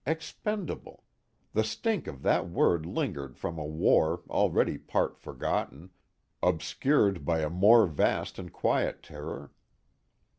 Expendable the stink of that word lingered from a war already part forgotten, obscured by a more vast and quiet terror.